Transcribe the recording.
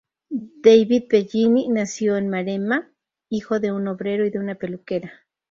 David Bellini nació en Maremma, hijo de un obrero y de una peluquera.